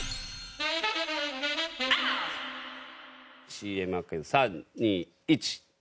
ＣＭ明け３２１。